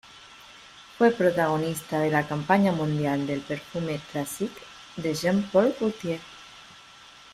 Fue protagonista de la campaña mundial del perfume"Classique" de Jean Paul Gaultier.